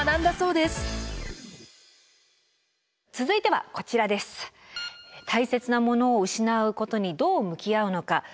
たいせつなものを失うことにどう向き合うのか。